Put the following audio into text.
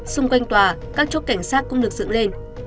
xung quanh tòa các chốt cảnh sát cũng được dựng lên